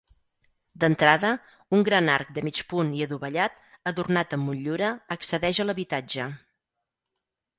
D'entrada, un gran arc de mig punt i adovellat, adornat amb motllura, accedeix a l'habitatge.